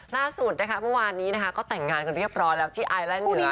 ล่าสุดนะคะเมื่อวานนี้นะคะก็แต่งงานกันเรียบร้อยแล้วที่อายแหล่นเหนือนะคะ